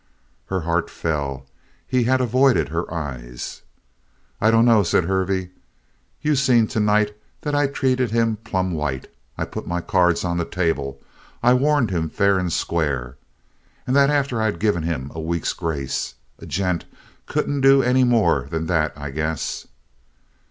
Her heart fell. He had avoided her eyes. "I dunno," said Hervey. "You seen to night that I treated him plumb white. I put my cards on the table. I warned him fair and square. And that after I'd given him a week's grace. A gent couldn't do any more than that, I guess!"